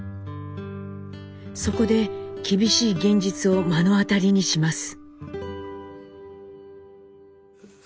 そこで厳しい現実を目の当たりにします。